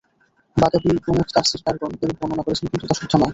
বাগাবী প্রমুখ তাফসীরকারগণ এরূপ বর্ণনা করেছেন, কিন্তু তা শুদ্ধ নয়।